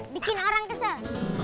bikin orang kesel